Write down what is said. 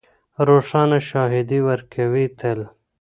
روښانه شاهدي ورکوي تل